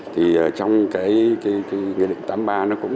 thì trong nghị định tám mươi ba nó cũng đã